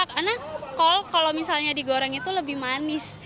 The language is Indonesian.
karena kol kalau misalnya digoreng itu lebih manis